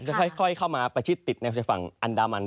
จะค่อยเข้ามาประชิดติดในวังอันดามัน